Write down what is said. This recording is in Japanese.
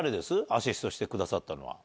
アシストしてくださったのは。